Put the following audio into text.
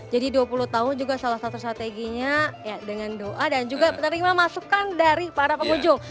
jadi dua puluh tahun juga salah satu strateginya ya dengan doa dan juga terima masukan dari para pepujung